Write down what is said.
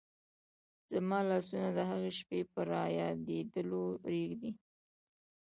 زما لاسونه د هغې شپې په رایادېدلو رېږدي.